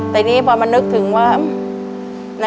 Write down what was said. แต่นี่พอมานึกถึงว่า